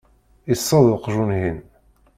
iṣṣeḍ uqjun-ihin.